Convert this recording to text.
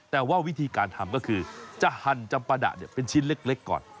แต่ว่าวิธีการทำก็คือจะหั่นจำปะดะเป็นชิ้นเล็กก่อน